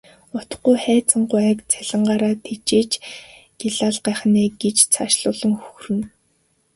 Удахгүй Хайнзан гуайг цалингаараа тэжээж гялайлгах нь ээ гэж цаашлуулан хөхөрнө.